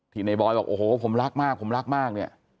ในบอยบอกโอ้โหผมรักมากผมรักมากเนี่ย